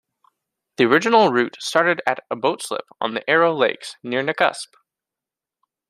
The original route started at a boat slip on the Arrow Lakes near Nakusp.